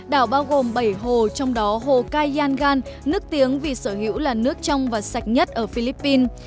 đảo bao gồm bảy hồ trong đó hồ kayangan nước tiếng vì sở hữu là nước trong và sạch nhất ở philippines